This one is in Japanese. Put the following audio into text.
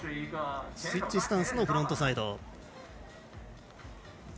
スイッチスタンスのフロントサイド。